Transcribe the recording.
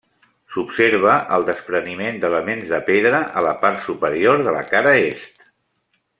S'observa el despreniment d'elements de pedra a la part superior de la cara est.